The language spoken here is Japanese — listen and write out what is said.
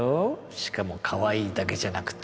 しかもかわいいだけじゃなくて